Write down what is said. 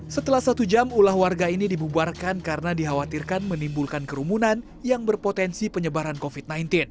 setelah satu jam ulah warga ini dibubarkan karena dikhawatirkan menimbulkan kerumunan yang berpotensi penyebaran covid sembilan belas